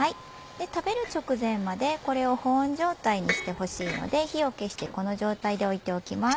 食べる直前までこれを保温状態にしてほしいので火を消してこの状態で置いておきます。